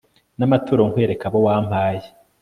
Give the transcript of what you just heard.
n'amaturo, nkwereka abo wampaye